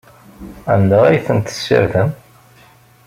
Anda ay tent-tessardem?